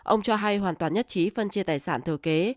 ông cho hay hoàn toàn nhất trí phân chia tài sản thừa kế